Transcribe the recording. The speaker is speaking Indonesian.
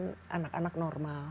dengan anak anak normal